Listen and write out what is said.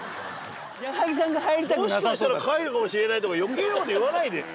もしかしたら帰るかもしれないとか余計な事言わないで。